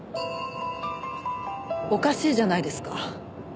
おかしいじゃないですか。